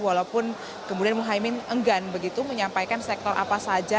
walaupun kemudian muhaymin enggan begitu menyampaikan sektor apa saja